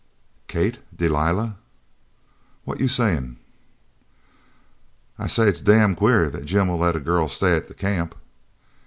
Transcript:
"Kate! Delilah." "What you sayin'?" "I say it's damn queer that Jim'll let a girl stay at the camp."